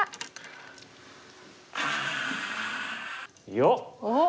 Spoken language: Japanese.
よっ！